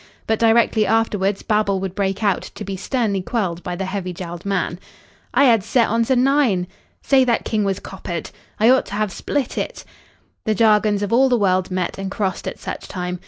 But directly afterwards babel would break out, to be sternly quelled by the heavy jowled man. "I 'ad set on sa nine," ... "Say, that king was coppered," ... "I ought ter have split it." The jargons of all the world met and crossed at such time.